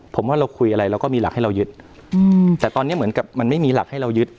ผมว่าเราคุยอะไรเราก็มีหลักให้เรายึดอืมแต่ตอนนี้เหมือนกับมันไม่มีหลักให้เรายึด